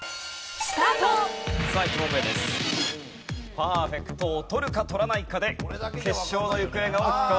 パーフェクトを取るか取らないかで決勝の行方が大きく変わってきます。